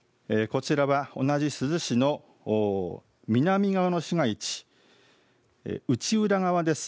こちらは同じ珠洲市の南側の市街地、内浦側です。